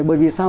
bởi vì sao